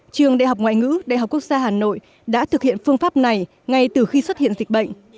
trường đại học ngoại ngữ đại học quốc gia hà nội đã thực hiện phương pháp này ngay từ khi xuất hiện dịch bệnh